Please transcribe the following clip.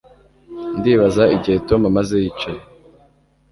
Ndibaza igihe Tom amaze yicaye